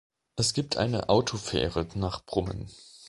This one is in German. Es gibt eine Autofähre nach Brummen.